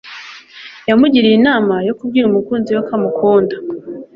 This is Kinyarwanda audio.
yamugiriye inama yo kubwira umukunzi we ko amukunda